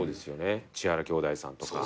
千原兄弟さんとか。